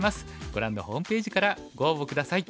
ご覧のホームページからご応募下さい。